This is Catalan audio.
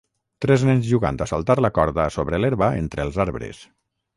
Tres nens jugant a saltar la corda sobre l'herba entre els arbres.